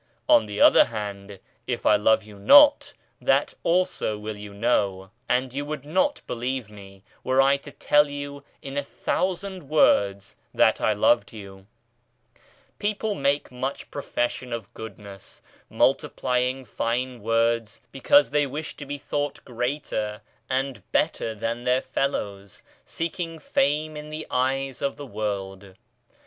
On the other hand if I love you not, that also will you know and you POWER OF TRUE THOUGHT 13 would not believe me, were I to tell you in a thousand words, that I loved you. People make much profession of goodness, multiplying fine words because they wish to be thought greater and better than their fellows, seeking fame in the eyes of the world.